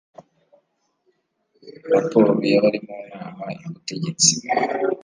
raporo y abari mu nama y ubutegetsi